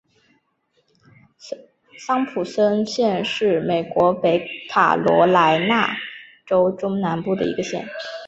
桑普森县是美国北卡罗莱纳州中南部的一个县。